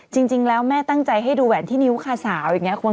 จริงแล้วแม่ตั้งใจให้ดูแหวนที่นิ้วคาสาวอย่างนี้